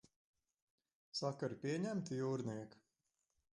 Sakari pieņemti, jūrniek?